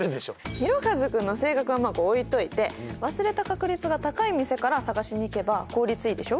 ひろかず君の性格はまあ置いといて忘れた確率が高い店から探しに行けば効率いいでしょ。